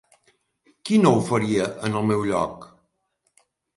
Qui no ho faria en el meu lloc?